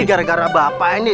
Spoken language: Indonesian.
gara gara bapak ini